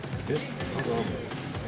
えっ？